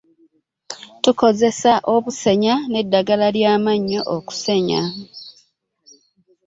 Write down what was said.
Tukozesa obusenya n'eddagala ly'amannyo okusenya.